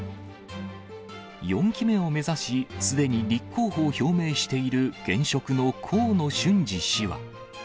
４期目を目指し、すでに立候補を表明している現職の河野俊嗣氏は。